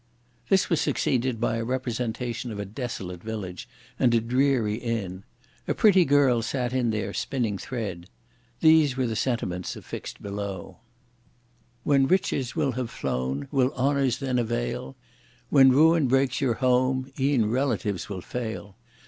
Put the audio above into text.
This was succeeded by a representation of a desolate village, and a dreary inn. A pretty girl sat in there, spinning thread. These were the sentiments affixed below: When riches will have flown will honours then avail? When ruin breaks your home, e'en relatives will fail!